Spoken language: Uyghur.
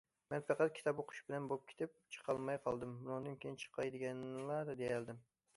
مەن پەقەت:‹‹ كىتاب ئوقۇش بىلەن بولۇپ كېتىپ چىقالماي قالدىم، بۇنىڭدىن كېيىن چىقاي›› دېگەننىلا دېيەلىدىم.